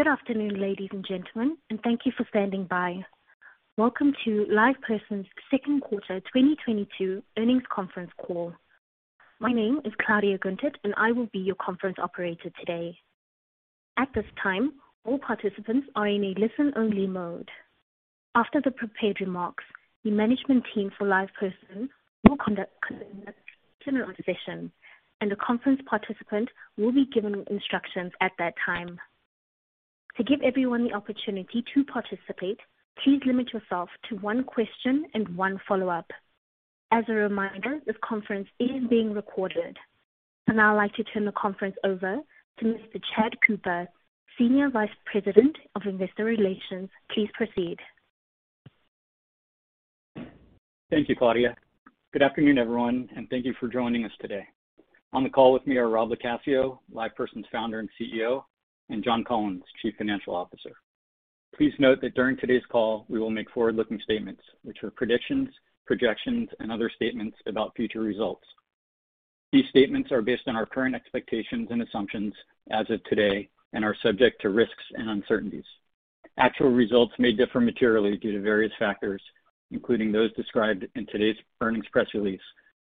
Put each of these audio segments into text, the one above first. Good afternoon, ladies and gentlemen, and thank you for standing by. Welcome to LivePerson's second quarter 2022 earnings conference call. My name is Claudia Gunter, and I will be your conference operator today. At this time, all participants are in a listen-only mode. After the prepared remarks, the management team for LivePerson will conduct a question and answer session, and the conference participant will be given instructions at that time. To give everyone the opportunity to participate, please limit yourself to one question and one follow-up. As a reminder, this conference is being recorded. Now I'd like to turn the conference over to Mr. Chad Cooper, Senior Vice President of Investor Relations. Please proceed. Thank you, Claudia. Good afternoon, everyone, and thank you for joining us today. On the call with me are Rob LoCascio, LivePerson's founder and CEO, and John Collins, Chief Financial Officer. Please note that during today's call, we will make forward-looking statements, which are predictions, projections, and other statements about future results. These statements are based on our current expectations and assumptions as of today and are subject to risks and uncertainties. Actual results may differ materially due to various factors, including those described in today's earnings press release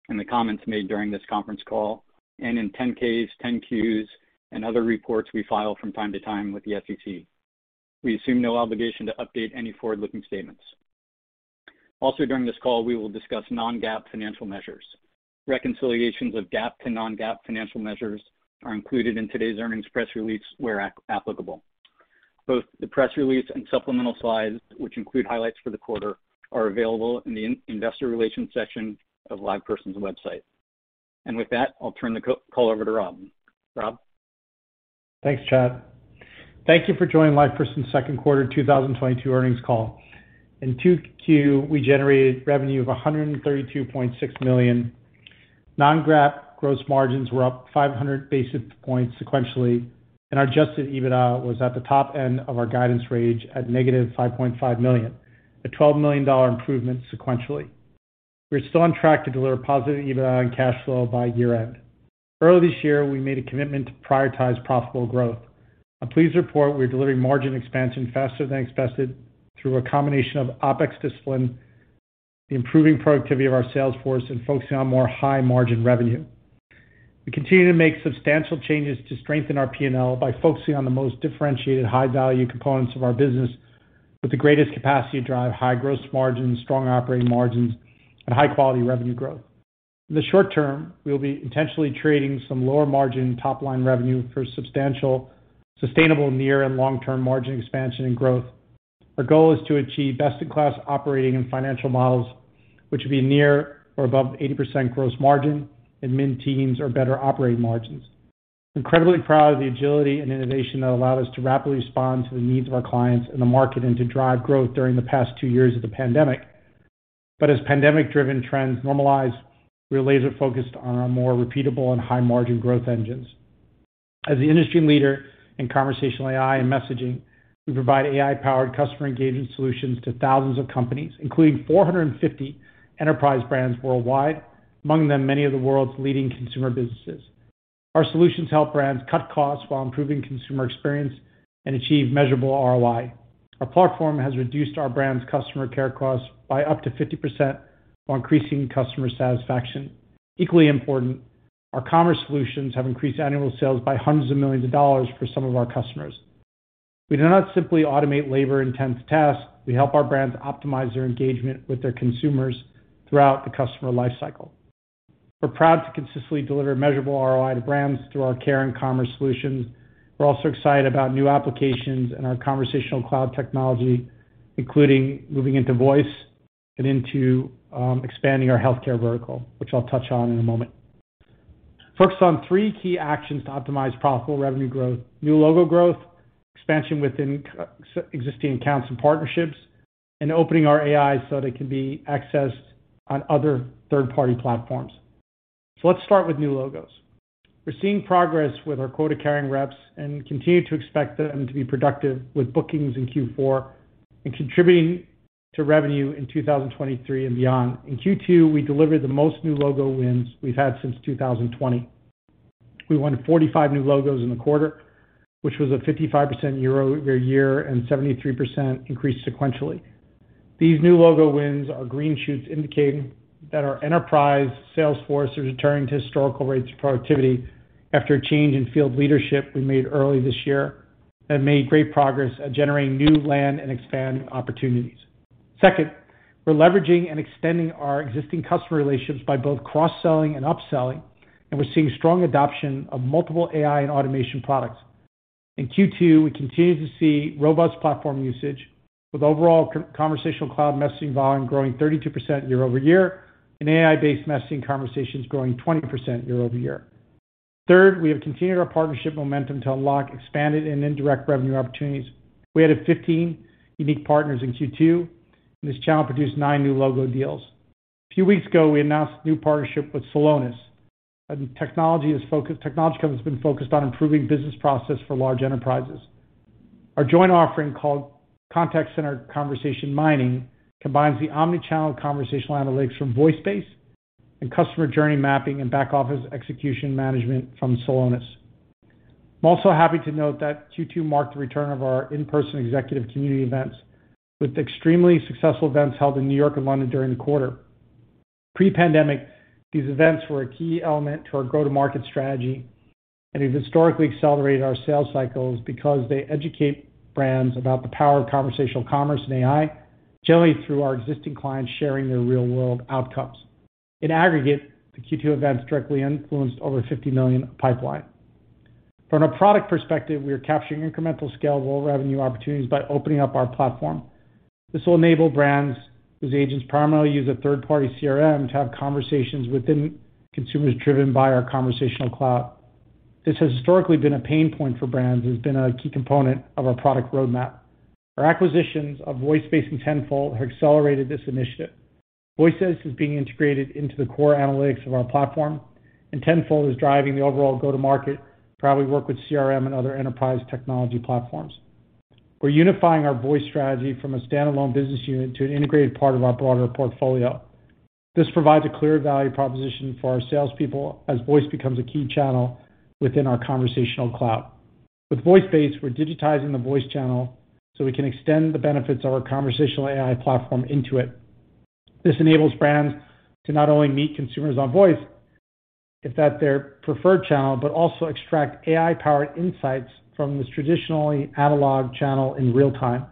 and the comments made during this conference call and in 10-Ks, 10-Qs, and other reports we file from time to time with the SEC. We assume no obligation to update any forward-looking statements. Also, during this call, we will discuss non-GAAP financial measures. Reconciliations of GAAP to non-GAAP financial measures are included in today's earnings press release, where applicable. Both the press release and supplemental slides, which include highlights for the quarter, are available in the investor relations section of LivePerson's website. With that, I'll turn the call over to Rob. Rob? Thanks, Chad. Thank you for joining LivePerson's second quarter 2022 earnings call. In 2Q, we generated revenue of $132.6 million. Non-GAAP gross margins were up 500 basis points sequentially, and our adjusted EBITDA was at the top end of our guidance range at -$5.5 million, a $12 million improvement sequentially. We're still on track to deliver positive EBITDA and cash flow by year-end. Early this year, we made a commitment to prioritize profitable growth. I'm pleased to report we're delivering margin expansion faster than expected through a combination of OpEx discipline, the improving productivity of our sales force, and focusing on more high-margin revenue. We continue to make substantial changes to strengthen our P&L by focusing on the most differentiated high-value components of our business with the greatest capacity to drive high gross margins, strong operating margins, and high-quality revenue growth. In the short term, we will be intentionally trading some lower margin top-line revenue for substantial sustainable near and long-term margin expansion and growth. Our goal is to achieve best-in-class operating and financial models, which will be near or above 80% gross margin and mid-teens or better operating margins. Incredibly proud of the agility and innovation that allowed us to rapidly respond to the needs of our clients in the market and to drive growth during the past two years of the pandemic. As pandemic-driven trends normalize, we are laser-focused on our more repeatable and high-margin growth engines. As the industry leader in conversational AI and messaging, we provide AI-powered customer engagement solutions to thousands of companies, including 450 enterprise brands worldwide, among them, many of the world's leading consumer businesses. Our solutions help brands cut costs while improving consumer experience and achieve measurable ROI. Our platform has reduced our brand's customer care costs by up to 50% while increasing customer satisfaction. Equally important, our commerce solutions have increased annual sales by hundreds of millions of dollars for some of our customers. We do not simply automate labor-intensive tasks, we help our brands optimize their engagement with their consumers throughout the customer lifecycle. We're proud to consistently deliver measurable ROI to brands through our care and commerce solutions. We're also excited about new applications in our Conversational Cloud technology, including moving into voice and into expanding our healthcare vertical, which I'll touch on in a moment. First, on three key actions to optimize profitable revenue growth, new logo growth, expansion within co-existing accounts and partnerships, and opening our AI so they can be accessed on other third-party platforms. Let's start with new logos. We're seeing progress with our quota-carrying reps and continue to expect them to be productive with bookings in Q4 and contributing to revenue in 2023 and beyond. In Q2, we delivered the most new logo wins we've had since 2020. We won 45 new logos in the quarter, which was a 55% year-over-year and 73% increase sequentially. These new logo wins are green shoots indicating that our enterprise sales force is returning to historical rates of productivity after a change in field leadership we made early this year that made great progress at generating new land and expanding opportunities. Second, we're leveraging and extending our existing customer relationships by both cross-selling and upselling, and we're seeing strong adoption of multiple AI and automation products. In Q2, we continued to see robust platform usage with overall Conversational Cloud messaging volume growing 32% year-over-year and AI-based messaging conversations growing 20% year-over-year. Third, we have continued our partnership momentum to unlock expanded and indirect revenue opportunities. We added 15 unique partners in Q2, and this channel produced nine new logo deals. A few weeks ago, we announced a new partnership with Celonis, a technology company that's been focused on improving business process for large enterprises. Our joint offering, called Contact Center Conversation Mining, combines the omnichannel conversational analytics from VoiceBase and customer journey mapping and back office execution management from Celonis. I'm also happy to note that Q2 marked the return of our in-person executive community events with extremely successful events held in New York and London during the quarter. Pre-pandemic, these events were a key element to our go-to-market strategy, and we've historically accelerated our sales cycles because they educate brands about the power of conversational commerce and AI, generally through our existing clients sharing their real-world outcomes. In aggregate, the Q2 events directly influenced over $50 million pipeline. From a product perspective, we are capturing incremental scale of all revenue opportunities by opening up our platform. This will enable brands whose agents primarily use a third-party CRM to have conversations within consumers driven by our Conversational Cloud. This has historically been a pain point for brands and has been a key component of our product roadmap. Our acquisitions of VoiceBase and Tenfold have accelerated this initiative. VoiceBase is being integrated into the core analytics of our platform, and Tenfold is driving the overall go-to-market to proudly work with CRM and other enterprise technology platforms. We're unifying our voice strategy from a standalone business unit to an integrated part of our broader portfolio. This provides a clear value proposition for our salespeople as voice becomes a key channel within our Conversational Cloud. With VoiceBase, we're digitizing the voice channel so we can extend the benefits of our conversational AI platform into it. This enables brands to not only meet consumers on voice if that's their preferred channel, but also extract AI-powered insights from this traditionally analog channel in real time.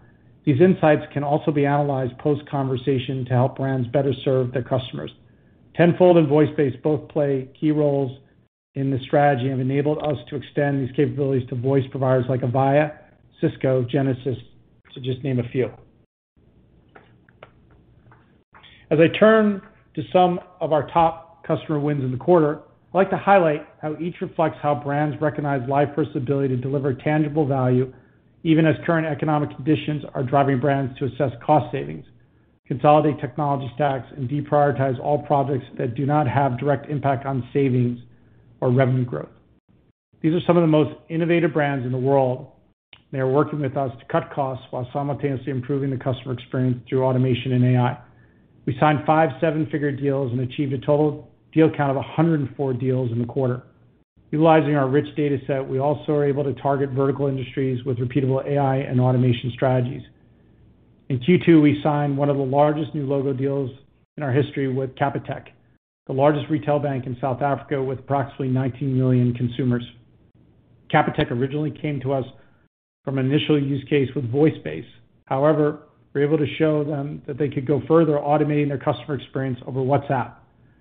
These insights can also be analyzed post-conversation to help brands better serve their customers. Tenfold and VoiceBase both play key roles in this strategy and have enabled us to extend these capabilities to voice providers like Avaya, Cisco, Genesys, to just name a few. As I turn to some of our top customer wins in the quarter, I'd like to highlight how each reflects how brands recognize LivePerson's ability to deliver tangible value, even as current economic conditions are driving brands to assess cost savings, consolidate technology stacks, and deprioritize all projects that do not have direct impact on savings or revenue growth. These are some of the most innovative brands in the world. They are working with us to cut costs while simultaneously improving the customer experience through automation and AI. We signed five seven-figure deals and achieved a total deal count of 104 deals in the quarter. Utilizing our rich data set, we also are able to target vertical industries with repeatable AI and automation strategies. In Q2, we signed one of the largest new logo deals in our history with Capitec, the largest retail bank in South Africa with approximately 19 million consumers. Capitec originally came to us from an initial use case with VoiceBase. However, we were able to show them that they could go further automating their customer experience over WhatsApp,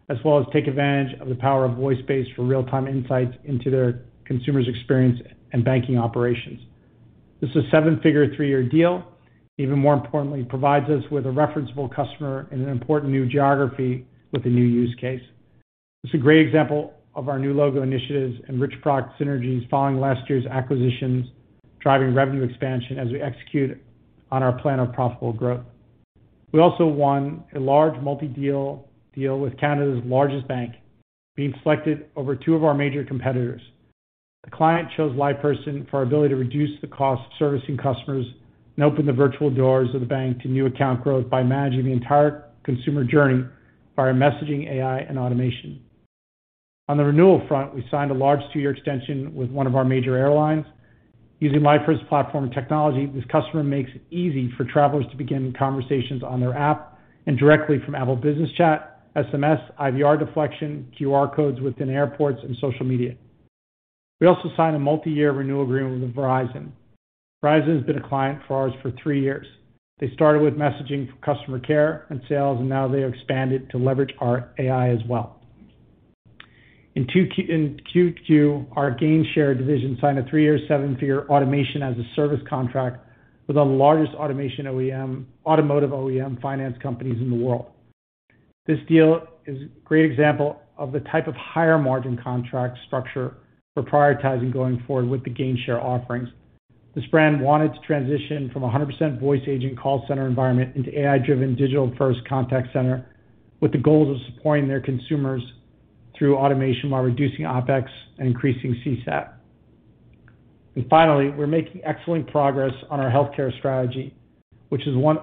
as well as take advantage of the power of VoiceBase for real-time insights into their consumers' experience and banking operations. This is a seven-figure, three-year deal, even more importantly, provides us with a referenceable customer in an important new geography with a new use case. This is a great example of our new logo initiatives and rich product synergies following last year's acquisitions, driving revenue expansion as we execute on our plan of profitable growth. We also won a large multi-deal deal with Canada's largest bank, being selected over two of our major competitors. The client chose LivePerson for our ability to reduce the cost of servicing customers and open the virtual doors of the bank to new account growth by managing the entire consumer journey via messaging, AI, and automation. On the renewal front, we signed a large two-year extension with one of our major airlines. Using LivePerson's platform and technology, this customer makes it easy for travelers to begin conversations on their app and directly from Apple Business Chat, SMS, IVR deflection, QR codes within airports, and social media. We also signed a multi-year renewal agreement with Verizon. Verizon has been a client for us for three years. They started with messaging for customer care and sales, and now they have expanded to leverage our AI as well. In Q2, our Gainshare division signed a three-year, seven-figure automation as a service contract with the largest automotive OEM finance companies in the world. This deal is a great example of the type of higher margin contract structure we're prioritizing going forward with the Gainshare offerings. This brand wanted to transition from 100% voice agent call center environment into AI-driven digital first contact center with the goals of supporting their consumers through automation while reducing OpEx and increasing CSAT. Finally, we're making excellent progress on our healthcare strategy, which is one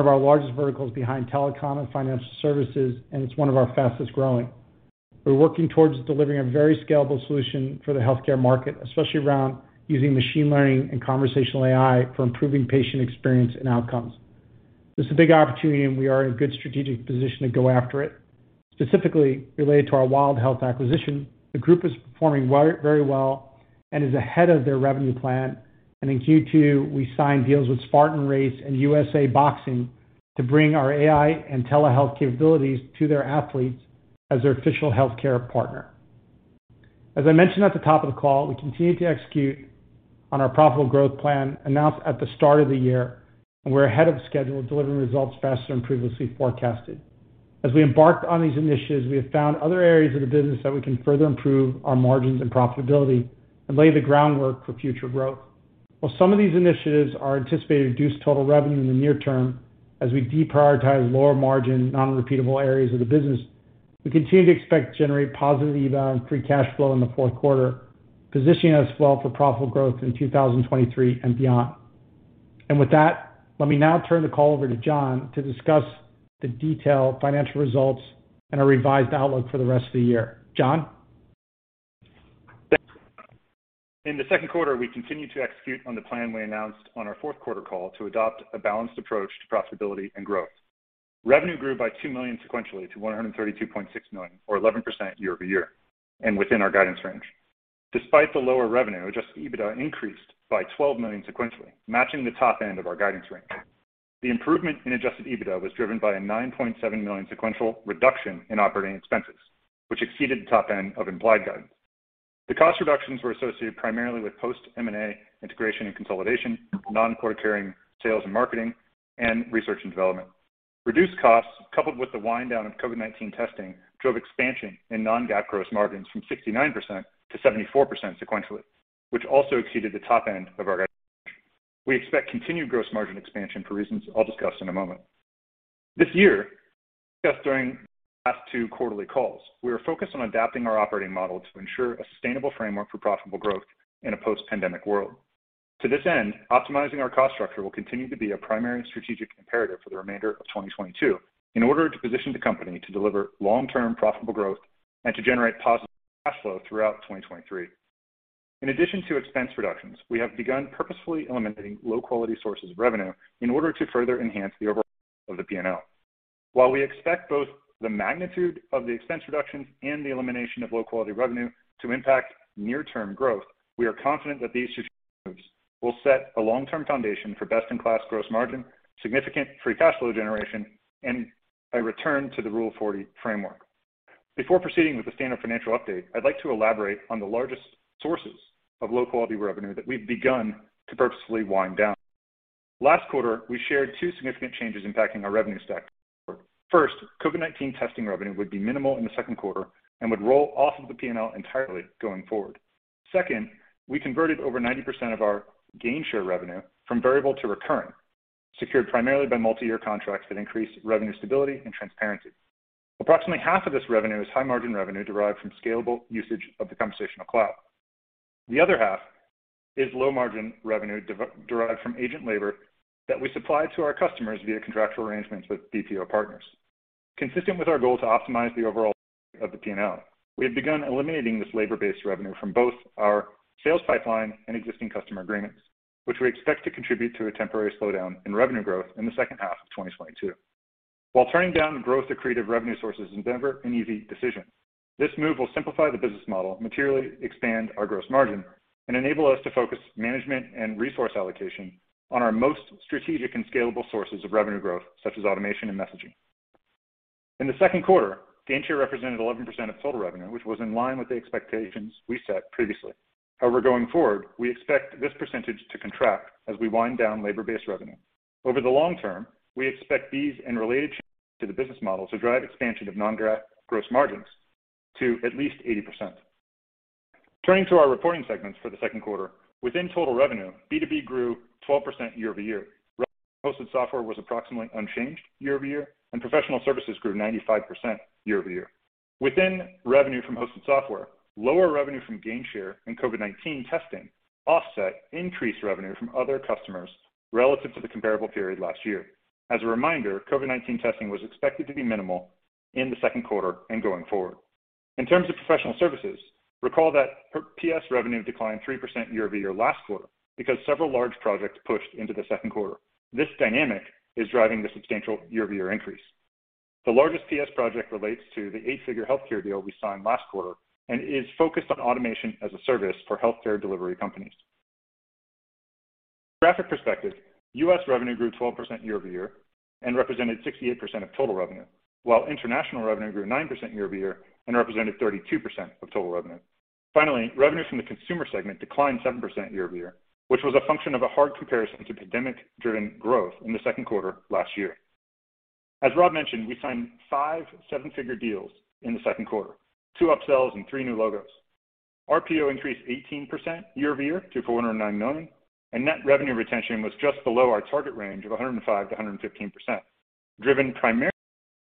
of our largest verticals behind telecom and financial services, and it's one of our fastest-growing. We're working towards delivering a very scalable solution for the healthcare market, especially around using machine learning and conversational AI for improving patient experience and outcomes. This is a big opportunity, and we are in a good strategic position to go after it. Specifically related to our WildHealth acquisition, the group is performing very, very well and is ahead of their revenue plan. In Q2, we signed deals with Spartan Race and USA Boxing to bring our AI and telehealth capabilities to their athletes as their official healthcare partner. As I mentioned at the top of the call, we continue to execute on our profitable growth plan announced at the start of the year, and we're ahead of schedule, delivering results faster than previously forecasted. As we embark on these initiatives, we have found other areas of the business that we can further improve our margins and profitability and lay the groundwork for future growth. While some of these initiatives are anticipated to reduce total revenue in the near term as we deprioritize lower margin, non-repeatable areas of the business, we continue to expect to generate positive EBITDA and free cash flow in the fourth quarter, positioning us well for profitable growth in 2023 and beyond. With that, let me now turn the call over to John to discuss the detailed financial results and our revised outlook for the rest of the year. John? Thanks. In the second quarter, we continued to execute on the plan we announced on our fourth quarter call to adopt a balanced approach to profitability and growth. Revenue grew by $2 million sequentially to $132.6 million or 11% year-over-year and within our guidance range. Despite the lower revenue, adjusted EBITDA increased by $12 million sequentially, matching the top end of our guidance range. The improvement in adjusted EBITDA was driven by a $9.7 million sequential reduction in operating expenses, which exceeded the top end of implied guidance. The cost reductions were associated primarily with post M&A integration and consolidation, non-recurring sales and marketing and research and development. Reduced costs, coupled with the wind down of COVID-19 testing, drove expansion in non-GAAP gross margins from 69% to 74% sequentially, which also exceeded the top end of our guidance range. We expect continued gross margin expansion for reasons I'll discuss in a moment. This year, as discussed during the last two quarterly calls, we are focused on adapting our operating model to ensure a sustainable framework for profitable growth in a post-pandemic world. To this end, optimizing our cost structure will continue to be a primary strategic imperative for the remainder of 2022 in order to position the company to deliver long-term profitable growth and to generate positive cash flow throughout 2023. In addition to expense reductions, we have begun purposefully eliminating low-quality sources of revenue in order to further enhance the overall of the P&L. While we expect both the magnitude of the expense reductions and the elimination of low-quality revenue to impact near-term growth, we are confident that these strategic moves will set a long-term foundation for best-in-class gross margin, significant free cash flow generation, and a return to the Rule of 40 framework. Before proceeding with the standard financial update, I'd like to elaborate on the largest sources of low-quality revenue that we've begun to purposefully wind down. Last quarter, we shared two significant changes impacting our revenue stack going forward. First, COVID-19 testing revenue would be minimal in the second quarter and would roll off of the P&L entirely going forward. Second, we converted over 90% of our gainshare revenue from variable to recurring, secured primarily by multi-year contracts that increase revenue stability and transparency. Approximately half of this revenue is high-margin revenue derived from scalable usage of the Conversational Cloud. The other half is low-margin revenue derived from agent labor that we supply to our customers via contractual arrangements with BPO partners. Consistent with our goal to optimize the overall P&L, we have begun eliminating this labor-based revenue from both our sales pipeline and existing customer agreements, which we expect to contribute to a temporary slowdown in revenue growth in the second half of 2022. While turning down the growth of creative revenue sources is never an easy decision, this move will simplify the business model, materially expand our gross margin, and enable us to focus management and resource allocation on our most strategic and scalable sources of revenue growth, such as automation and messaging. In the second quarter, gainshare represented 11% of total revenue, which was in line with the expectations we set previously. However, going forward, we expect this percentage to contract as we wind down labor-based revenue. Over the long term, we expect these and related changes to the business model to drive expansion of non-GAAP gross margins to at least 80%. Turning to our reporting segments for the second quarter, within total revenue, B2B grew 12% year-over-year. Revenue from hosted software was approximately unchanged year-over-year, and professional services grew 95% year-over-year. Within revenue from hosted software, lower revenue from gainshare and COVID-19 testing offset increased revenue from other customers relative to the comparable period last year. As a reminder, COVID-19 testing was expected to be minimal in the second quarter and going forward. In terms of professional services, recall that PS revenue declined 3% year-over-year last quarter because several large projects pushed into the second quarter. This dynamic is driving the substantial year-over-year increase. The largest PS project relates to the eight-figure healthcare deal we signed last quarter and is focused on automation as a service for healthcare delivery companies. Geographic perspective, U.S. revenue grew 12% year-over-year and represented 68% of total revenue, while international revenue grew 9% year-over-year and represented 32% of total revenue. Finally, revenue from the consumer segment declined 7% year-over-year, which was a function of a hard comparison to pandemic-driven growth in the second quarter last year. As Rob mentioned, we signed five seven-figure deals in the second quarter, two upsells and three new logos. RPO increased 18% year-over-year to $409 million, and net revenue retention was just below our target range of 105%-115%, driven primarily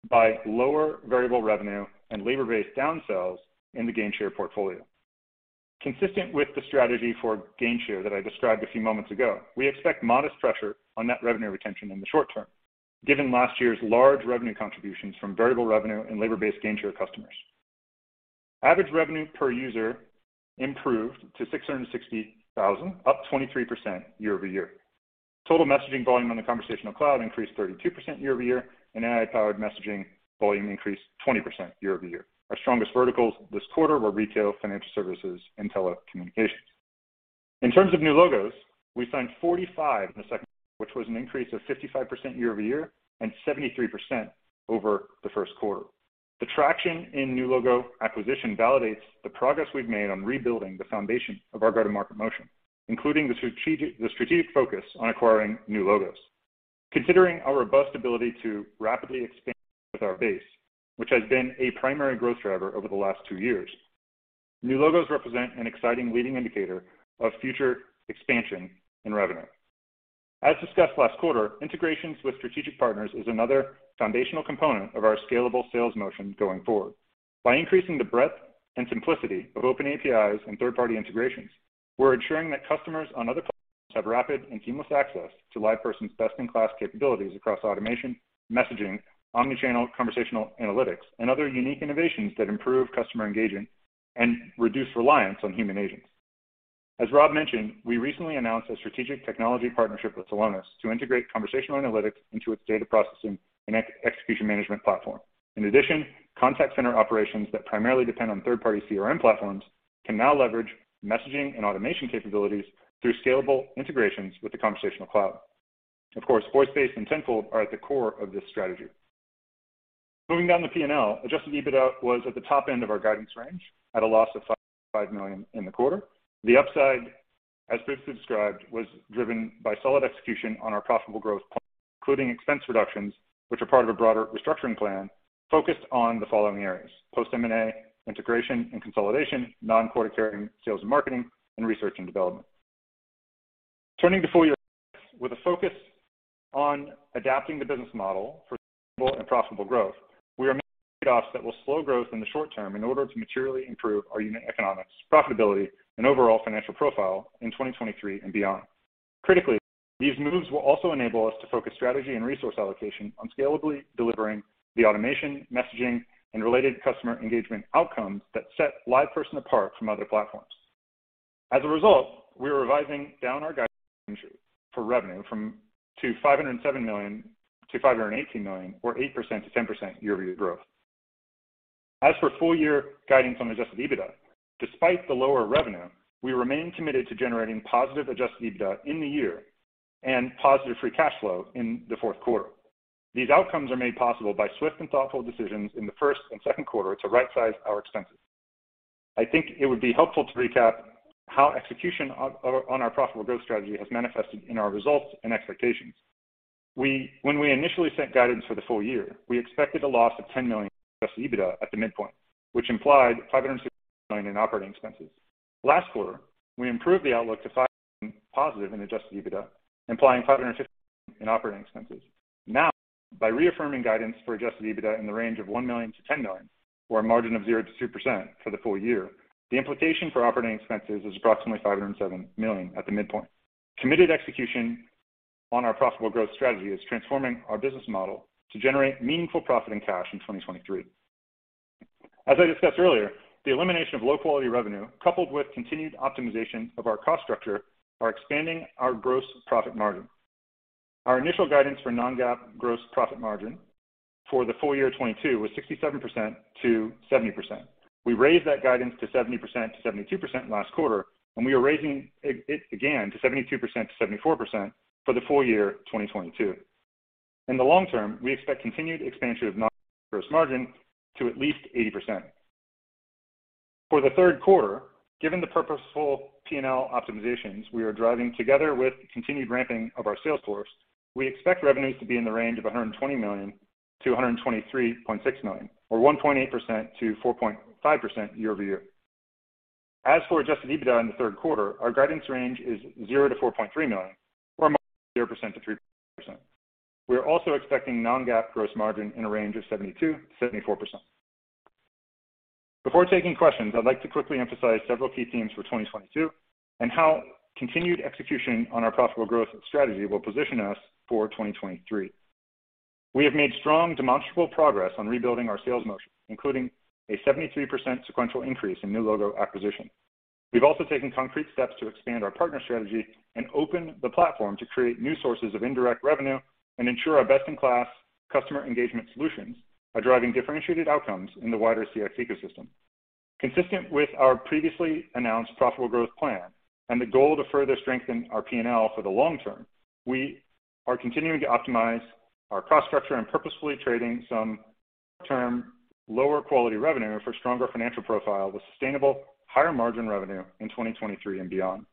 by lower variable revenue and labor-based downsells in the gainshare portfolio. Consistent with the strategy for gainshare that I described a few moments ago, we expect modest pressure on net revenue retention in the short term, given last year's large revenue contributions from variable revenue and labor-based gainshare customers. Average revenue per user improved to $660,000, up 23% year-over-year. Total messaging volume on the Conversational Cloud increased 32% year-over-year, and AI-powered messaging volume increased 20% year-over-year. Our strongest verticals this quarter were retail, financial services, and telecommunications. In terms of new logos, we signed 45 in the second quarter, which was an increase of 55% year-over-year and 73% over the first quarter. The traction in new logo acquisition validates the progress we've made on rebuilding the foundation of our go-to-market motion, including the strategic focus on acquiring new logos. Considering our robust ability to rapidly expand with our base, which has been a primary growth driver over the last two years, new logos represent an exciting leading indicator of future expansion in revenue. As discussed last quarter, integrations with strategic partners is another foundational component of our scalable sales motion going forward. By increasing the breadth and simplicity of open APIs and third-party integrations, we're ensuring that customers on other platforms have rapid and seamless access to LivePerson's best-in-class capabilities across automation, messaging, omni-channel, conversational analytics, and other unique innovations that improve customer engagement and reduce reliance on human agents. As Rob mentioned, we recently announced a strategic technology partnership with Celonis to integrate conversational analytics into its data processing and execution management platform. In addition, contact center operations that primarily depend on third-party CRM platforms can now leverage messaging and automation capabilities through scalable integrations with the Conversational Cloud. Of course, VoiceBase and Tenfold are at the core of this strategy. Moving down the P&L, adjusted EBITDA was at the top end of our guidance range at a loss of $55 million in the quarter. The upside, as Rob described, was driven by solid execution on our profitable growth plan, including expense reductions, which are part of a broader restructuring plan focused on the following areas, post M&A integration and consolidation, non-core carrying sales and marketing, and research and development. Turning to full year with a focus on adapting the business model for scalable and profitable growth, we are making trade-offs that will slow growth in the short term in order to materially improve our unit economics, profitability, and overall financial profile in 2023 and beyond. Critically, these moves will also enable us to focus strategy and resource allocation on scalably delivering the automation, messaging, and related customer engagement outcomes that set LivePerson apart from other platforms. As a result, we're revising down our guidance range for revenue from $507 million to $518 million, or 8%-10% year-over-year growth. As for full year guidance on adjusted EBITDA, despite the lower revenue, we remain committed to generating positive adjusted EBITDA in the year and positive free cash flow in the fourth quarter. These outcomes are made possible by swift and thoughtful decisions in the first and second quarter to right-size our expenses. I think it would be helpful to recap how execution on our profitable growth strategy has manifested in our results and expectations. When we initially set guidance for the full year, we expected a loss of $10 million adjusted EBITDA at the midpoint, which implied $560 million in operating expenses. Last quarter, we improved the outlook to $5 million positive in adjusted EBITDA, implying $550 million in operating expenses. Now, by reaffirming guidance for adjusted EBITDA in the range of $1 million-$10 million or a margin of 0%-2% for the full year, the implication for operating expenses is approximately $507 million at the midpoint. Committed execution on our profitable growth strategy is transforming our business model to generate meaningful profit and cash in 2023. As I discussed earlier, the elimination of low-quality revenue, coupled with continued optimization of our cost structure, are expanding our gross profit margin. Our initial guidance for non-GAAP gross profit margin for the full year 2022 was 67%-70%. We raised that guidance to 70%-72% last quarter, and we are raising it again to 72%-74% for the full year 2022. In the long term, we expect continued expansion of non-GAAP gross margin to at least 80%. For the third quarter, given the purposeful P&L optimizations we are driving together with continued ramping of our sales force, we expect revenues to be in the range of $120 million-$123.6 million or 1.8%-4.5% year-over-year. As for adjusted EBITDA in the third quarter, our guidance range is $0-$4.3 million or a margin of 0%-3%. We are also expecting non-GAAP gross margin in a range of 72%-74%. Before taking questions, I'd like to quickly emphasize several key themes for 2022 and how continued execution on our profitable growth strategy will position us for 2023. We have made strong demonstrable progress on rebuilding our sales motion, including a 73% sequential increase in new logo acquisition. We've also taken concrete steps to expand our partner strategy and open the platform to create new sources of indirect revenue and ensure our best-in-class customer engagement solutions are driving differentiated outcomes in the wider CX ecosystem. Consistent with our previously announced profitable growth plan and the goal to further strengthen our P&L for the long term, we are continuing to optimize our cost structure and purposefully trading some short-term, lower quality revenue for stronger financial profile with sustainable higher margin revenue in 2023 and beyond.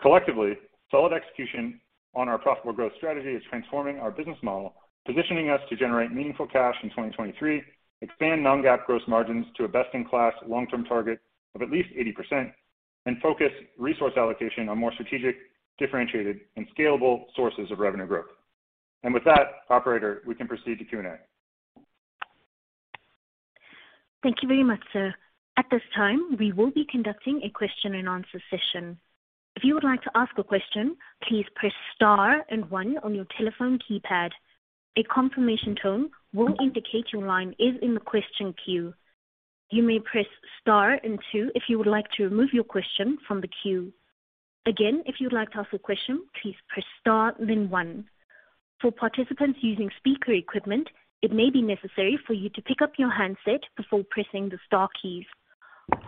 Collectively, solid execution on our profitable growth strategy is transforming our business model, positioning us to generate meaningful cash in 2023, expand non-GAAP gross margins to a best-in-class long-term target of at least 80%, and focus resource allocation on more strategic, differentiated, and scalable sources of revenue growth. With that, operator, we can proceed to Q&A. Thank you very much, sir. At this time, we will be conducting a question and answer session. If you would like to ask a question, please press star and one on your telephone keypad. A confirmation tone will indicate your line is in the question queue. You may press star and two if you would like to remove your question from the queue. Again, if you'd like to ask a question, please press star, then one. For participants using speaker equipment, it may be necessary for you to pick up your handset before pressing the star keys.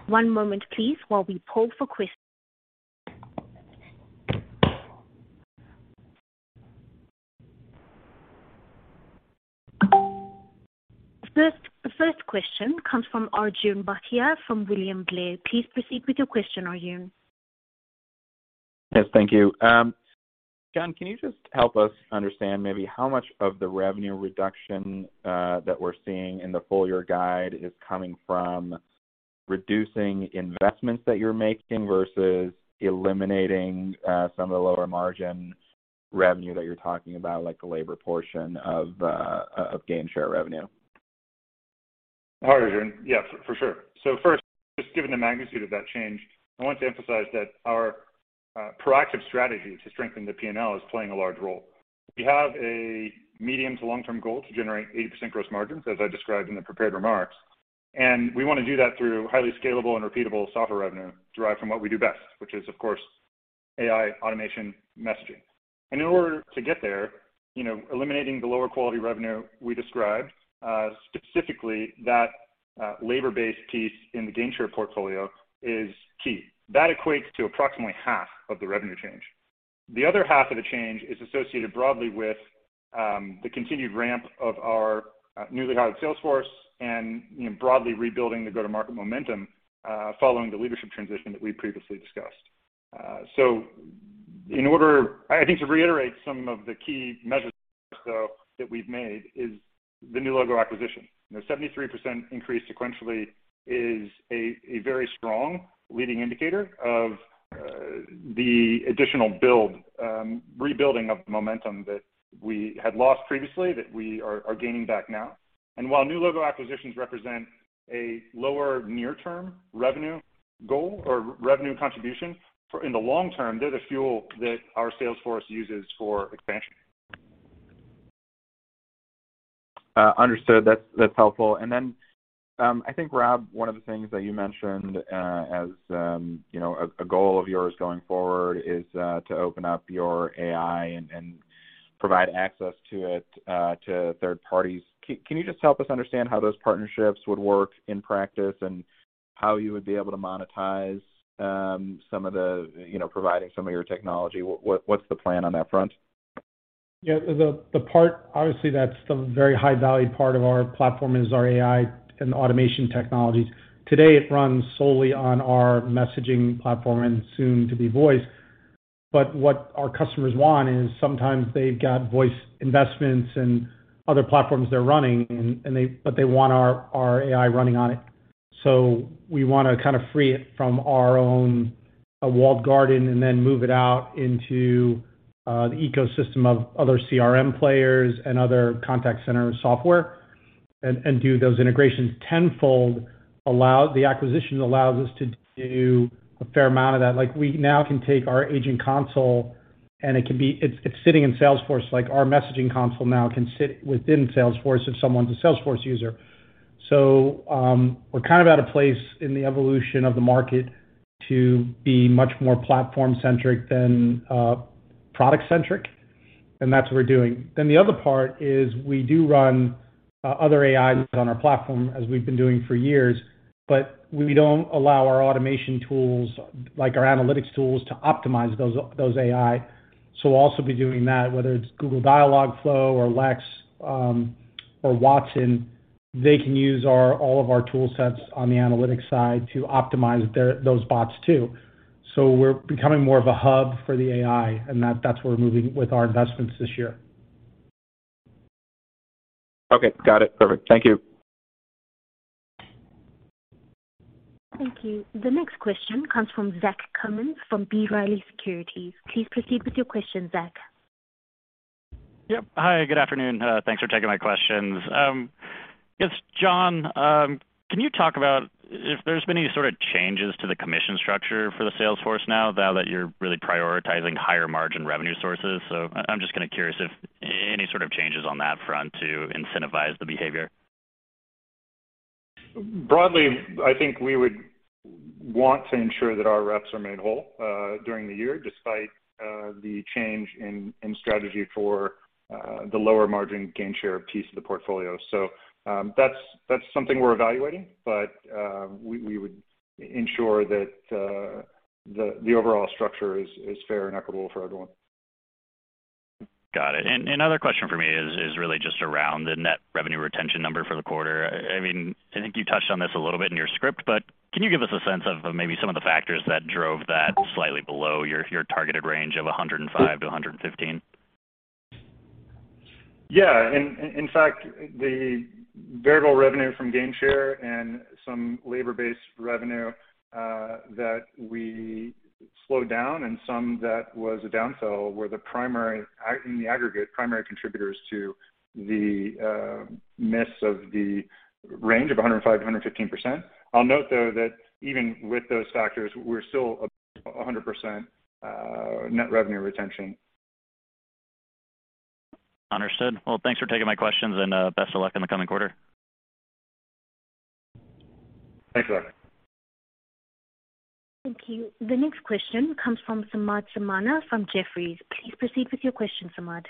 One moment please while we poll for questions. The first question comes from Arjun Bhatia from William Blair. Please proceed with your question, Arjun. Yes, thank you. John, can you just help us understand maybe how much of the revenue reduction that we're seeing in the full year guide is coming from reducing investments that you're making versus eliminating some of the lower margin revenue that you're talking about, like the labor portion of gainshare revenue. All right, Arjun. Yeah, for sure. First, just given the magnitude of that change, I want to emphasize that our proactive strategy to strengthen the P&L is playing a large role. We have a medium to long-term goal to generate 80% gross margins, as I described in the prepared remarks, and we wanna do that through highly scalable and repeatable software revenue derived from what we do best, which is, of course, AI automation messaging. In order to get there, you know, eliminating the lower quality revenue we described, specifically that labor-based piece in the gainshare portfolio is key. That equates to approximately half of the revenue change. The other half of the change is associated broadly with the continued ramp of our newly hired sales force and, you know, broadly rebuilding the go-to-market momentum following the leadership transition that we previously discussed. I think to reiterate some of the key measures, though, that we've made is the new logo acquisition. You know, 73% increase sequentially is a very strong leading indicator of the additional build, rebuilding of the momentum that we had lost previously that we are gaining back now. While new logo acquisitions represent a lower near-term revenue goal or revenue contribution, in the long term, they're the fuel that our sales force uses for expansion. Understood. That's helpful. Then, I think, Rob, one of the things that you mentioned, as you know, a goal of yours going forward is to open up your AI and provide access to it to third parties. Can you just help us understand how those partnerships would work in practice and how you would be able to monetize some of the, you know, providing some of your technology? What's the plan on that front? Yeah. The part obviously that's the very high value part of our platform is our AI and automation technologies. Today, it runs solely on our messaging platform and soon to be voice. What our customers want is sometimes they've got voice investments and other platforms they're running and they want our AI running on it. We wanna kind of free it from our own walled garden and then move it out into the ecosystem of other CRM players and other contact center software and do those integrations tenfold. The acquisition allows us to do a fair amount of that. Like, we now can take our agent console, and it can be. It's sitting in Salesforce. Like, our messaging console now can sit within Salesforce if someone's a Salesforce user. We're kind of at a place in the evolution of the market to be much more platform-centric than product-centric, and that's what we're doing. The other part is we do run other AIs on our platform as we've been doing for years, but we don't allow our automation tools like our analytics tools to optimize those AI. We'll also be doing that, whether it's Google Dialogflow or Lex or Watson, they can use all of our tool sets on the analytics side to optimize those bots too. We're becoming more of a hub for the AI, and that's where we're moving with our investments this year. Okay. Got it. Perfect. Thank you. Thank you. The next question comes from Zach Cummins from B. Riley Securities. Please proceed with your question, Zach. Yep. Hi, good afternoon. Thanks for taking my questions. I guess, John, can you talk about if there's been any sort of changes to the commission structure for the sales force now that you're really prioritizing higher margin revenue sources? I'm just kinda curious if any sort of changes on that front to incentivize the behavior. Broadly, I think we would want to ensure that our reps are made whole during the year, despite the change in strategy for the lower margin gainshare piece of the portfolio. That's something we're evaluating, but we would ensure that the overall structure is fair and equitable for everyone. Got it. Another question for me is really just around the net revenue retention number for the quarter. I mean, I think you touched on this a little bit in your script, but can you give us a sense of maybe some of the factors that drove that slightly below your targeted range of 105%-115%? Yeah. In fact, the variable revenue from gainshare and some labor-based revenue that we slowed down and some that was a downsell were the primary, in the aggregate, primary contributors to the miss of the range of 105%-115%. I'll note, though, that even with those factors, we're still 100% net revenue retention. Understood. Well, thanks for taking my questions and best of luck in the coming quarter. Thanks, Zach. Thank you. The next question comes from Samad Samana from Jefferies. Please proceed with your question, Samad.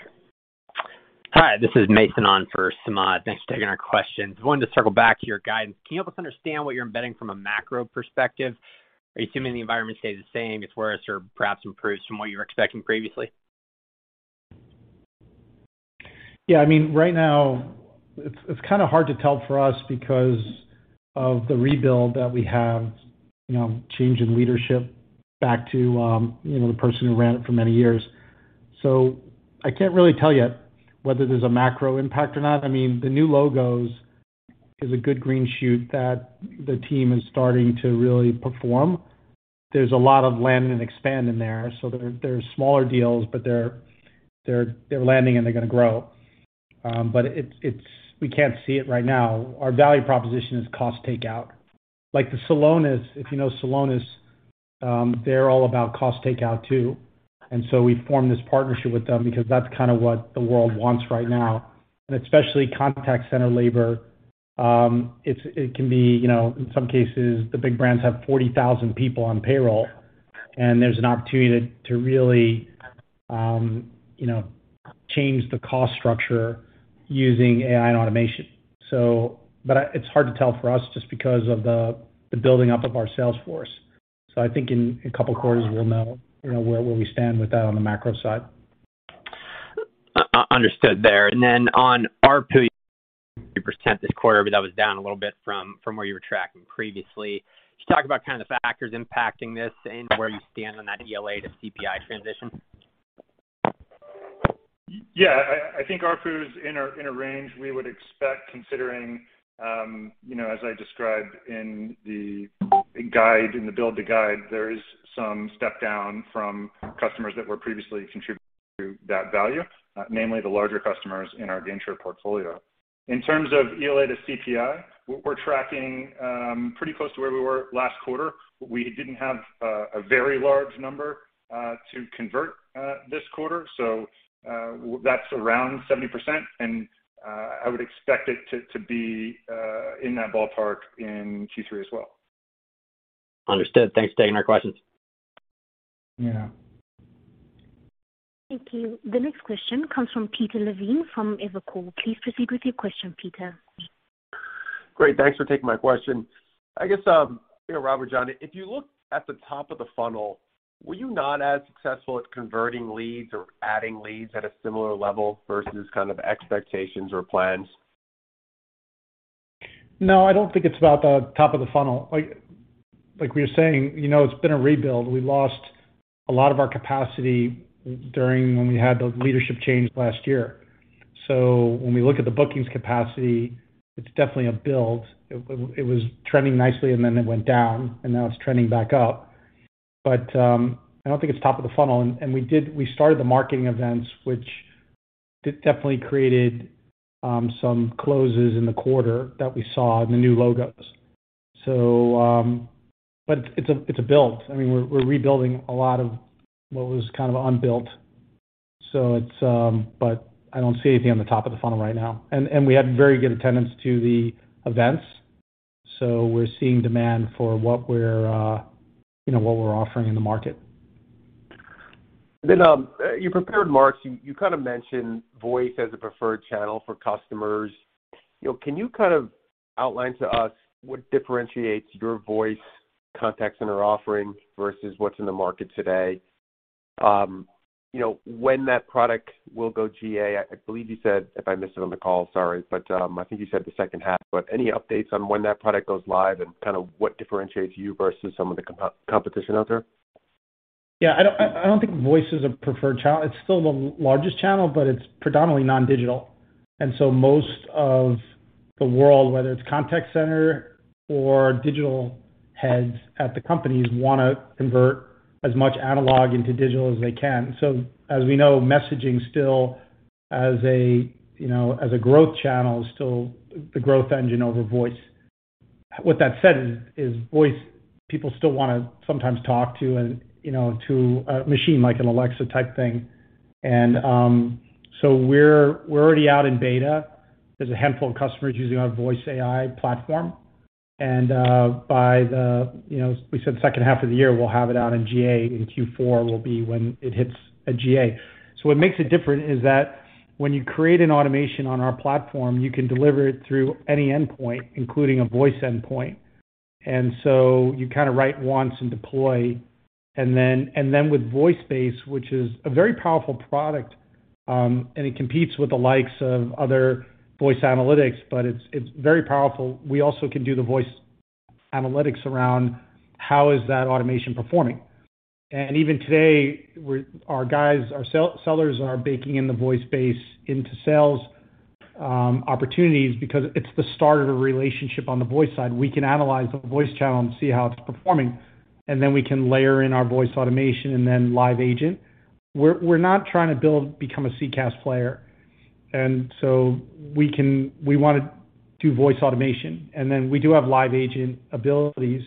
Hi, this is Nathan on for Samad. Thanks for taking our questions. Wanted to circle back to your guidance. Can you help us understand what you're embedding from a macro perspective? Are you assuming the environment stays the same, it's worse, or perhaps improves from what you were expecting previously? Yeah. I mean, right now it's kinda hard to tell for us because of the rebuild that we have, you know, change in leadership back to, you know, the person who ran it for many years. I can't really tell yet whether there's a macro impact or not. I mean, the new logos is a good green shoot that the team is starting to really perform. There's a lot of land and expand in there. They're smaller deals, but they're landing and they're gonna grow. But it's we can't see it right now. Our value proposition is cost takeout. Like the Celonis, if you know Celonis, they're all about cost takeout too. We formed this partnership with them because that's kinda what the world wants right now. Especially contact center labor, it can be, you know, in some cases, the big brands have 40,000 people on payroll, and there's an opportunity to really, you know, change the cost structure using AI and automation. It's hard to tell for us just because of the building up of our sales force. I think in a couple of quarters we'll know, you know, where we stand with that on the macro side. Understood there. On ARPU, this quarter, that was down a little bit from where you were tracking previously. Just talk about kind of the factors impacting this and where you stand on that ELA to CPI transition. Yeah. I think ARPU is in a range we would expect considering, you know, as I described in the guide, in the build to guide, there is some step down from customers that were previously contributing to that value, namely the larger customers in our Gainshare portfolio. In terms of ELA to CPI, we're tracking pretty close to where we were last quarter. We didn't have a very large number to convert this quarter, so that's around 70%, and I would expect it to be in that ballpark in Q3 as well. Understood. Thanks for taking our questions. Yeah. Thank you. The next question comes from Peter Levine from Evercore. Please proceed with your question, Peter. Great. Thanks for taking my question. I guess, you know, Robert, John, if you look at the top of the funnel, were you not as successful at converting leads or adding leads at a similar level versus kind of expectations or plans? No, I don't think it's about the top of the funnel. Like we were saying, you know, it's been a rebuild. We lost a lot of our capacity during when we had the leadership change last year. When we look at the bookings capacity, it's definitely a build. It was trending nicely and then it went down and now it's trending back up. I don't think it's top of the funnel. We started the marketing events, which definitely created some closes in the quarter that we saw in the new logos. But it's a build. I mean, we're rebuilding a lot of what was kind of unbuilt. I don't see anything on the top of the funnel right now. We had very good attendance to the events, so we're seeing demand for what we're offering in the market. In your prepared remarks, you kinda mentioned voice as a preferred channel for customers. Can you kind of outline to us what differentiates your voice contact center offering versus what's in the market today? When that product will go GA, I believe you said if I missed it on the call, sorry, but I think you said the second half. Any updates on when that product goes live and kind of what differentiates you versus some of the competition out there? Yeah. I don't think voice is a preferred channel. It's still the largest channel, but it's predominantly non-digital. Most of the world, whether it's contact center or digital heads at the companies, wanna convert as much analog into digital as they can. As we know, messaging still as a, you know, as a growth channel is still the growth engine over voice. With that said, voice people still wanna sometimes talk to and, you know, to a machine, like an Alexa type thing. We're already out in beta. There's a handful of customers using our voice AI platform. By the, you know, we said the second half of the year we'll have it out in GA. In Q4 will be when it hits a GA. What makes it different is that when you create an automation on our platform, you can deliver it through any endpoint, including a voice endpoint. You kinda write once and deploy. With VoiceBase, which is a very powerful product, and it competes with the likes of other voice analytics, but it's very powerful. We also can do the voice analytics around how is that automation performing. Even today, our guys, our sellers are baking in the VoiceBase into sales opportunities because it's the start of a relationship on the voice side. We can analyze the voice channel and see how it's performing, and then we can layer in our voice automation and then live agent. We're not trying to become a CCaaS player, so we wanna do voice automation. We do have live agent abilities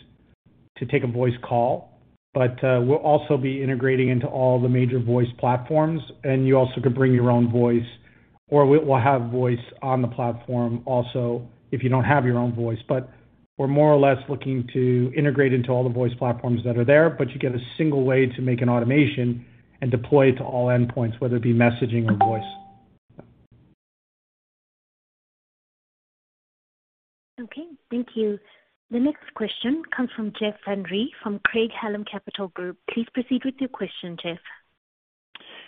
to take a voice call. We'll also be integrating into all the major voice platforms. You also can bring your own voice, or we'll have voice on the platform also, if you don't have your own voice. We're more or less looking to integrate into all the voice platforms that are there, but you get a single way to make an automation and deploy it to all endpoints, whether it be messaging or voice. Okay. Thank you. The next question comes from Jeff Van Rhee from Craig-Hallum Capital Group. Please proceed with your question, Jeff.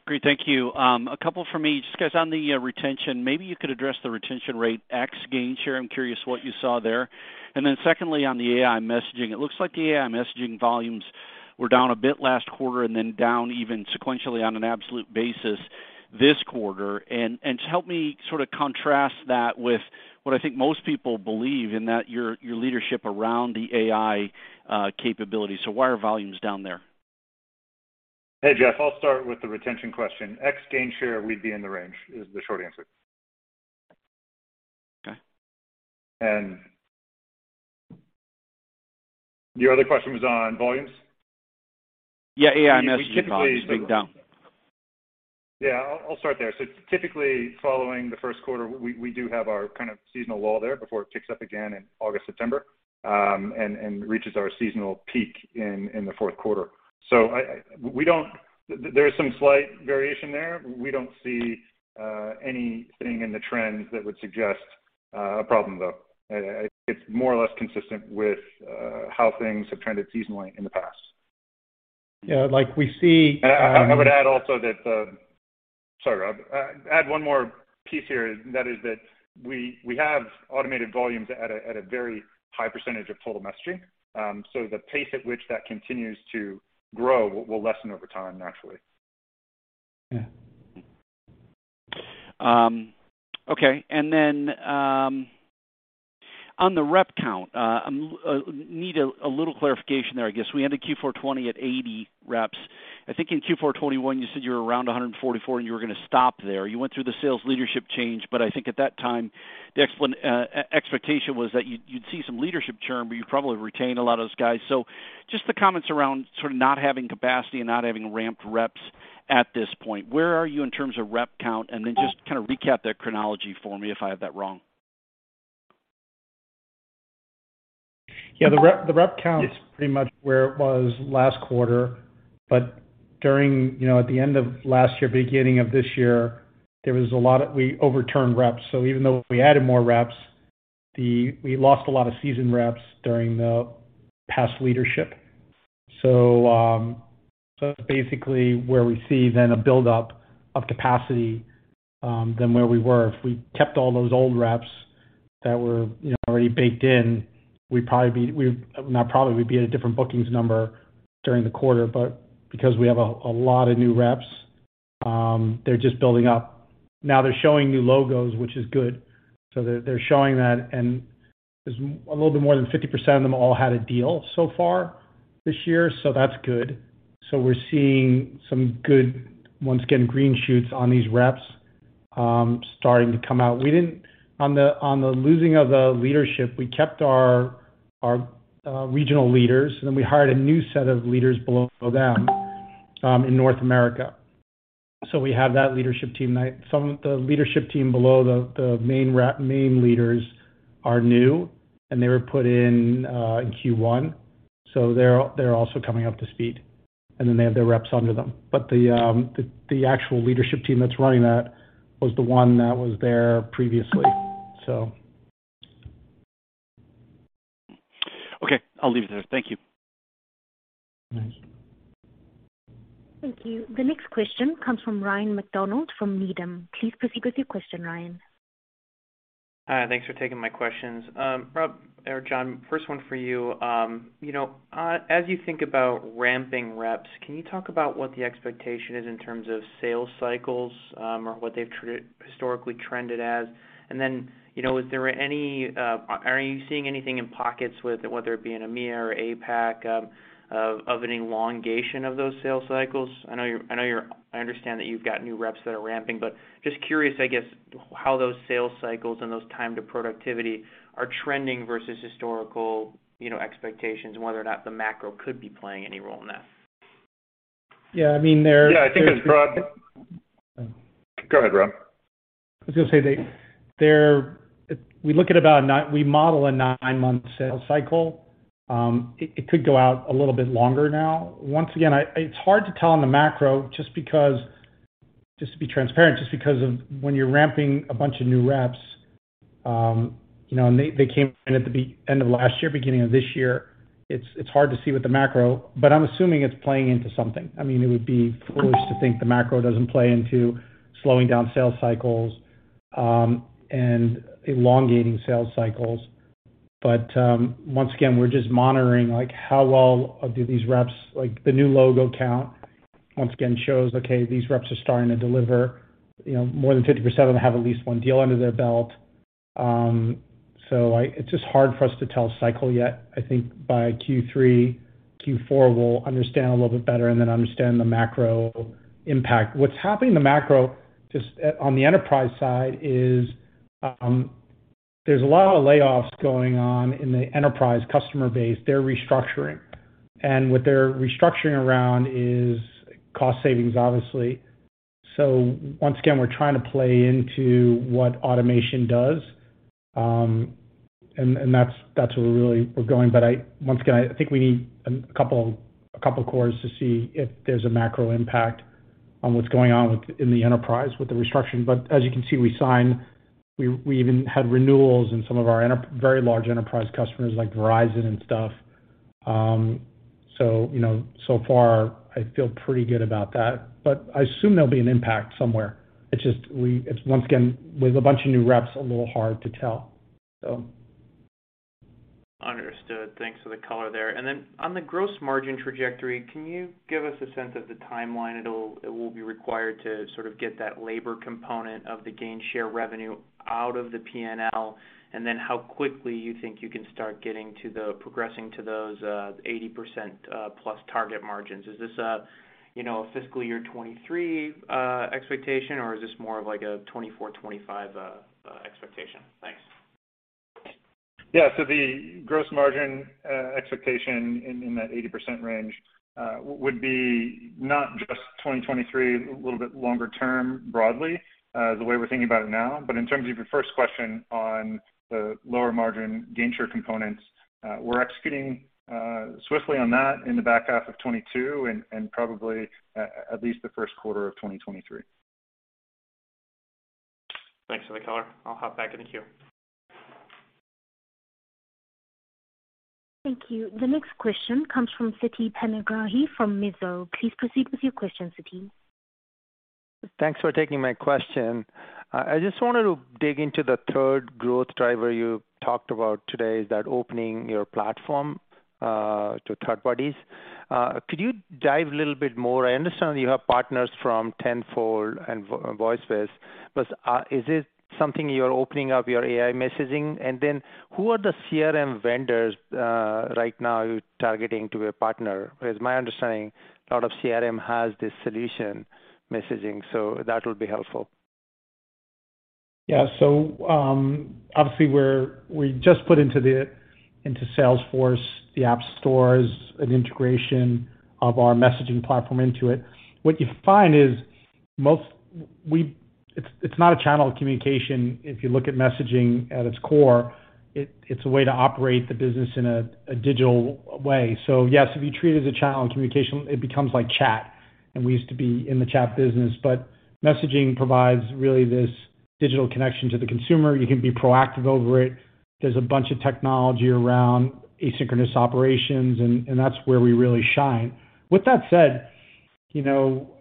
Great. Thank you. A couple from me. Just guys, on the retention, maybe you could address the retention rate ex Gainshare. I'm curious what you saw there. Secondly, on the AI messaging, it looks like the AI messaging volumes. We're down a bit last quarter and then down even sequentially on an absolute basis this quarter. To help me sort of contrast that with what I think most people believe in that your leadership around the AI capability. Why are volumes down there? Hey, Jeff, I'll start with the retention question. Ex Gainshare, we'd be in the range, is the short answer. Okay. Your other question was on volumes? Yeah, AI messages volume being down. Yeah, I'll start there. Typically following the first quarter, we do have our kind of seasonal wall there before it picks up again in August, September, and reaches our seasonal peak in the fourth quarter. There is some slight variation there. We don't see anything in the trends that would suggest a problem, though. It's more or less consistent with how things have trended seasonally in the past. Yeah, like we see. I would add also that, sorry, Rob. Add one more piece here, and that is that we have automated volumes at a very high percentage of total messaging. The pace at which that continues to grow will lessen over time, naturally. Yeah. Okay. On the rep count, need a little clarification there, I guess. We ended Q4 2020 at 80 reps. I think in Q4 2021, you said you were around 144 and you were gonna stop there. You went through the sales leadership change, but I think at that time, the expectation was that you'd see some leadership churn, but you probably retained a lot of those guys. Just the comments around sort of not having capacity and not having ramped reps at this point. Where are you in terms of rep count? And then just kind of recap that chronology for me if I have that wrong. Yeah, the rep count is pretty much where it was last quarter. During, you know, at the end of last year, beginning of this year, there was a lot of we overturned reps. Even though we added more reps, we lost a lot of seasoned reps during the past leadership. Basically where we see then a build-up of capacity than where we were. If we kept all those old reps that were, you know, already baked in, we'd be at a different bookings number during the quarter. Because we have a lot of new reps, they're just building up. Now they're showing new logos, which is good. They're showing that, and there's a little bit more than 50% of them all had a deal so far this year, so that's good. We're seeing some good, once again, green shoots on these reps starting to come out. On the losing of the leadership, we kept our regional leaders, and then we hired a new set of leaders below them in North America. We have that leadership team. Now some of the leadership team below the main rep, main leaders are new, and they were put in in Q1. They're also coming up to speed, and then they have their reps under them. The actual leadership team that's running that was the one that was there previously. Okay, I'll leave it there. Thank you. Thanks. Thank you. The next question comes from Ryan MacDonald from Needham. Please proceed with your question, Ryan. Hi, thanks for taking my questions. Rob or John, first one for you. You know, as you think about ramping reps, can you talk about what the expectation is in terms of sales cycles, or what they've historically trended as? You know, is there any, are you seeing anything in pockets with whether it be in EMEA or APAC, of an elongation of those sales cycles? I understand that you've got new reps that are ramping, but just curious, I guess, how those sales cycles and those time to productivity are trending versus historical, you know, expectations and whether or not the macro could be playing any role in that. Yeah, I mean, they're Yeah, I think that's correct. Go ahead, Rob. We look at about nine months. We model a nine-month sales cycle. It could go out a little bit longer now. Once again, it's hard to tell on the macro just because, just to be transparent, just because of when you're ramping a bunch of new reps, you know, and they came in at the end of last year, beginning of this year, it's hard to see with the macro, but I'm assuming it's playing into something. I mean, it would be foolish to think the macro doesn't play into slowing down sales cycles and elongating sales cycles. Once again, we're just monitoring, like, how well do these reps do. Like, the new logo count, once again, shows, okay, these reps are starting to deliver. You know, more than 50% of them have at least one deal under their belt. It's just hard for us to tell cycle yet. I think by Q3, Q4, we'll understand a little bit better and then understand the macro impact. What's happening in the macro, just on the enterprise side is, there's a lot of layoffs going on in the enterprise customer base. They're restructuring. What they're restructuring around is cost savings, obviously. Once again, we're trying to play into what automation does, and that's where really we're going. I once again think we need a couple quarters to see if there's a macro impact on what's going on in the enterprise with the restructuring. As you can see, we signed, we even had renewals in some of our very large enterprise customers like Verizon and stuff. You know, so far I feel pretty good about that, but I assume there'll be an impact somewhere. It's just, once again, with a bunch of new reps, a little hard to tell, so. Understood. Thanks for the color there. On the gross margin trajectory, can you give us a sense of the timeline it will be required to sort of get that labor component of the gain share revenue out of the P&L? How quickly you think you can start getting to progressing to those 80%+ target margins. Is this a, you know, fiscal year 2023 expectation or is this more of like a 2024, 2025 expectation? Thanks. Yeah. The gross margin expectation in that 80% range would be not just 2023, a little bit longer term broadly, the way we're thinking about it now. In terms of your first question on the lower margin gain share components, we're executing swiftly on that in the back half of 2022 and probably at least the first quarter of 2023. Thanks for the color. I'll hop back in the queue. Thank you. The next question comes from Siti Panigrahi from Mizuho. Please proceed with your question, Siti. Thanks for taking my question. I just wanted to dig into the third growth driver you talked about today, is that opening your platform to third parties. Could you dive a little bit more? I understand you have partners from Tenfold and VoiceBase, but is it something you're opening up your AI messaging? And then who are the CRM vendors right now you're targeting to be a partner? Because my understanding, a lot of CRM has this solution messaging, so that would be helpful. Yeah. Obviously we're just put into Salesforce, the app stores, an integration of our messaging platform into it. What you find is It's not a channel of communication if you look at messaging at its core. It's a way to operate the business in a digital way. Yes, if you treat it as a channel of communication, it becomes like chat, and we used to be in the chat business. Messaging provides really this digital connection to the consumer. You can be proactive over it. There's a bunch of technology around asynchronous operations and that's where we really shine. With that said, you know,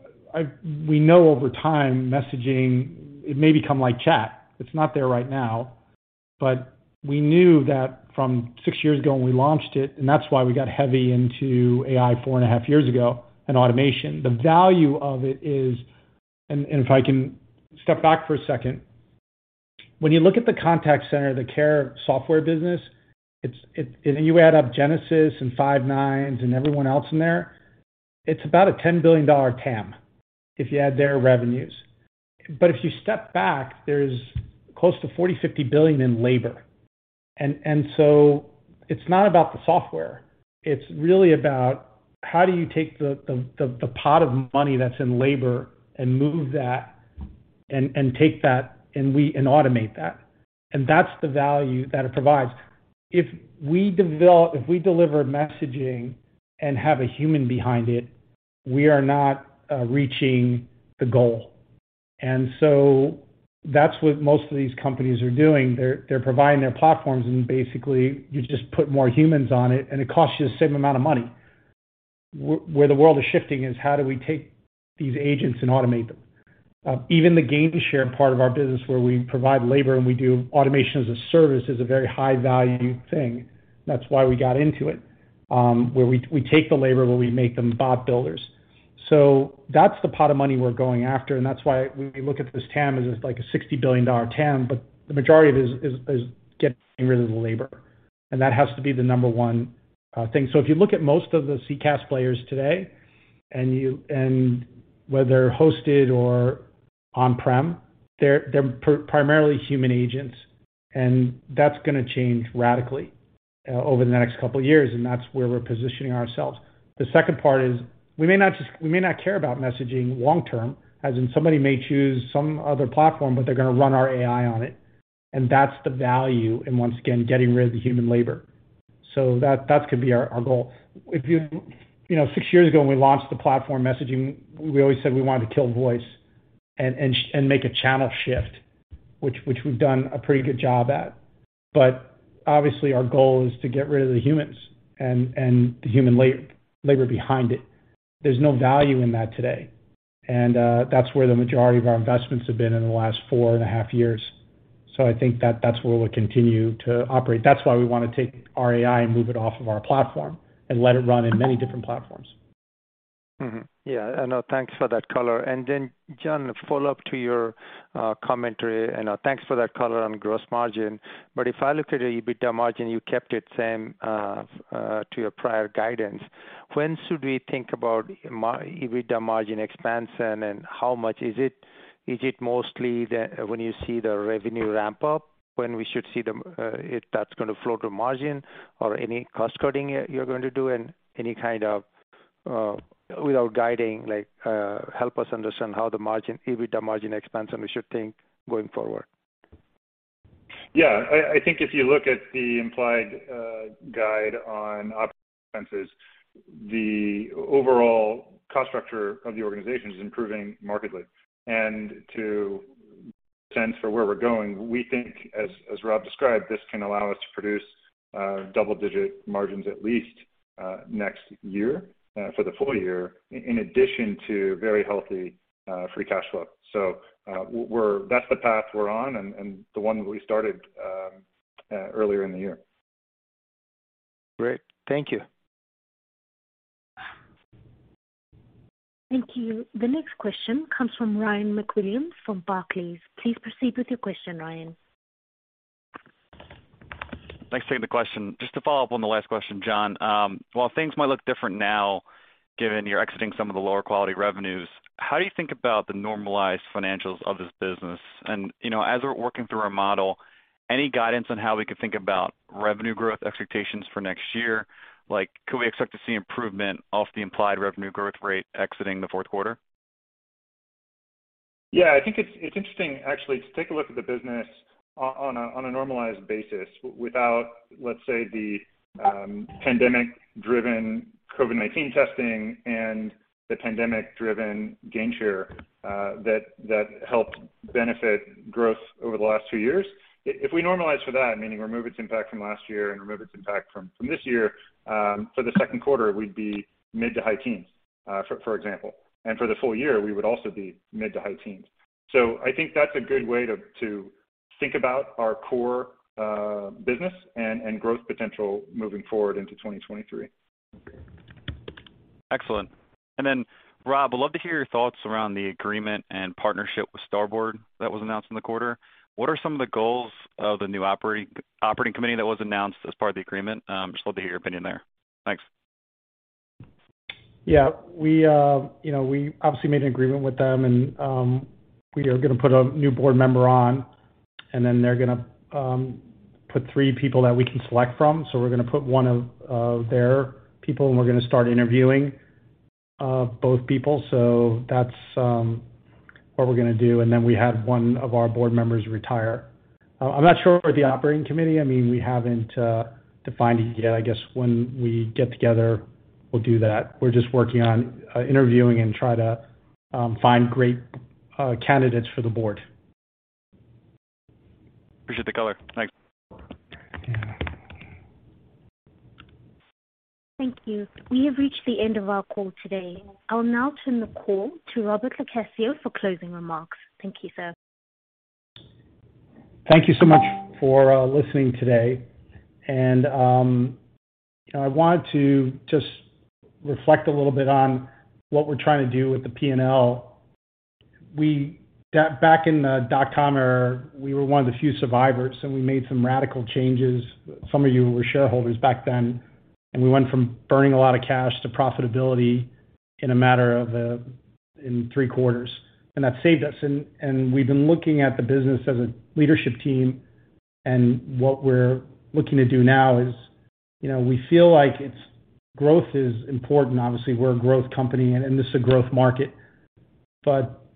we know over time messaging, it may become like chat. It's not there right now, but we knew that from six years ago when we launched it, and that's why we got heavy into AI 4.5 years ago and automation. The value of it is, and if I can step back for a second. When you look at the contact center, the care software business, it's, and you add up Genesys and Five9 and everyone else in there, it's about a $10 billion TAM, if you add their revenues. If you step back, there's close to $40-$50 billion in labor. So it's not about the software, it's really about how do you take the pot of money that's in labor and move that and take that, and automate that. That's the value that it provides. If we deliver messaging and have a human behind it, we are not reaching the goal. That's what most of these companies are doing. They're providing their platforms, and basically you just put more humans on it, and it costs you the same amount of money. Where the world is shifting is how do we take these agents and automate them? Even the gain share part of our business where we provide labor and we do automation as a service is a very high value thing. That's why we got into it. Where we take the labor, where we make them bot builders. That's the pot of money we're going after, and that's why we look at this TAM as like a $60 billion TAM, but the majority of it is getting rid of the labor, and that has to be the number one thing. If you look at most of the CCaaS players today and whether hosted or on-prem, they're primarily human agents, and that's gonna change radically over the next couple of years, and that's where we're positioning ourselves. The second part is we may not care about messaging long term, as in somebody may choose some other platform, but they're gonna run our AI on it, and that's the value in, once again, getting rid of the human labor. That could be our goal. You know, six years ago, when we launched the platform messaging, we always said we wanted to kill voice and make a channel shift, which we've done a pretty good job at. But obviously, our goal is to get rid of the humans and the human labor behind it. There's no value in that today. That's where the majority of our investments have been in the last four and a half years. I think that that's where we'll continue to operate. That's why we wanna take our AI and move it off of our platform and let it run in many different platforms. Yeah, thanks for that color. Then John, follow up to your commentary, and thanks for that color on gross margin. If I look at the EBITDA margin, you kept it same to your prior guidance. When should we think about EBITDA margin expansion, and how much is it? Is it mostly when you see the revenue ramp up, when we should see if that's gonna flow to margin or any cost cutting you're going to do and any kind of without guiding, like, help us understand how the EBITDA margin expansion we should think going forward. Yeah. I think if you look at the implied guide on operating expenses, the overall cost structure of the organization is improving markedly. To get a sense for where we're going, we think as Rob described, this can allow us to produce double-digit margins at least next year for the full year, in addition to very healthy free cash flow. That's the path we're on and the one we started earlier in the year. Great. Thank you. Thank you. The next question comes from Ryan MacWilliams from Barclays. Please proceed with your question, Ryan. Thanks for taking the question. Just to follow up on the last question, John. While things might look different now, given you're exiting some of the lower quality revenues, how do you think about the normalized financials of this business? You know, as we're working through our model, any guidance on how we could think about revenue growth expectations for next year? Like, could we expect to see improvement off the implied revenue growth rate exiting the fourth quarter? Yeah, I think it's interesting actually to take a look at the business on a normalized basis without, let's say, the pandemic driven COVID-19 testing and the pandemic driven gain share that helped benefit growth over the last two years. If we normalize for that, meaning remove its impact from last year and remove its impact from this year, for the second quarter, we'd be mid- to high teens, for example. For the full year, we would also be mid- to high teens. I think that's a good way to think about our core business and growth potential moving forward into 2023. Excellent. Rob, I'd love to hear your thoughts around the agreement and partnership with Starboard that was announced in the quarter. What are some of the goals of the new operating committee that was announced as part of the agreement? Just love to hear your opinion there. Thanks. Yeah. We, you know, we obviously made an agreement with them, and we are gonna put a new board member on, and then they're gonna put three people that we can select from. So we're gonna put one of their people, and we're gonna start interviewing both people. So that's what we're gonna do. And then we had one of our board members retire. I'm not sure about the operating committee. I mean, we haven't defined it yet. I guess when we get together, we'll do that. We're just working on interviewing and try to find great candidates for the board. Appreciate the color. Thanks. Thank you. We have reached the end of our call today. I'll now turn the call to Robert LoCascio for closing remarks. Thank you, sir. Thank you so much for listening today. You know, I wanted to just reflect a little bit on what we're trying to do with the P&L. Back in the dot com era, we were one of the few survivors, and we made some radical changes. Some of you were shareholders back then, and we went from burning a lot of cash to profitability in a matter of three quarters, and that saved us. We've been looking at the business as a leadership team, and what we're looking to do now is, you know, we feel like it's growth is important. Obviously, we're a growth company and this is a growth market.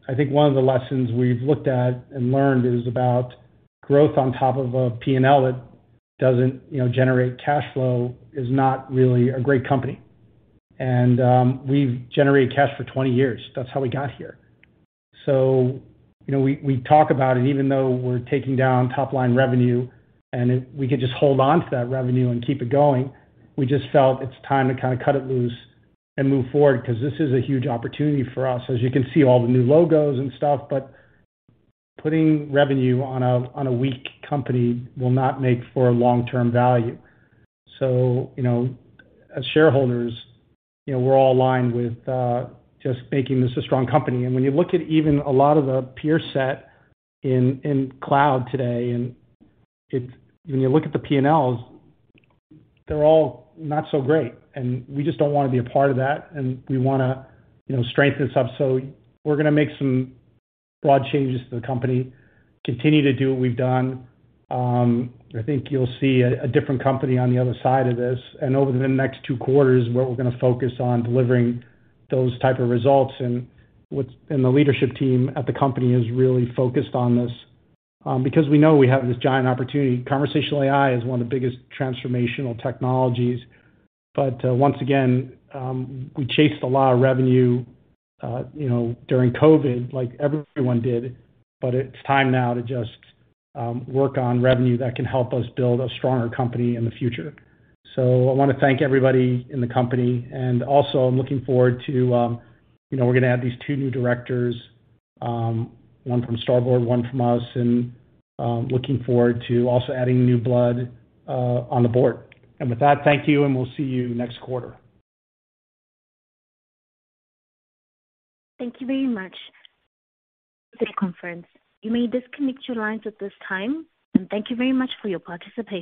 I think one of the lessons we've looked at and learned is about growth on top of a P&L that doesn't, you know, generate cash flow is not really a great company. We've generated cash for 20 years. That's how we got here. You know, we talk about it, even though we're taking down top line revenue and we could just hold on to that revenue and keep it going, we just felt it's time to kinda cut it loose and move forward 'cause this is a huge opportunity for us, as you can see all the new logos and stuff. Putting revenue on a weak company will not make for a long-term value. You know, as shareholders, we're all aligned with just making this a strong company. When you look at even a lot of the peer set in cloud today, when you look at the P&Ls, they're all not so great, and we just don't wanna be a part of that, and we wanna, you know, strengthen stuff. We're gonna make some broad changes to the company, continue to do what we've done. I think you'll see a different company on the other side of this. Over the next two quarters is where we're gonna focus on delivering those type of results. The leadership team at the company is really focused on this, because we know we have this giant opportunity. Conversational AI is one of the biggest transformational technologies. Once again, we chased a lot of revenue, you know, during COVID, like everyone did, but it's time now to just work on revenue that can help us build a stronger company in the future. I wanna thank everybody in the company, and also I'm looking forward to, you know, we're gonna add these two new directors, one from Starboard, one from us, and looking forward to also adding new blood on the board. With that, thank you, and we'll see you next quarter. Thank you very much. This conference. You may disconnect your lines at this time. Thank you very much for your participation.